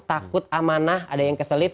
takut amanah ada yang keselip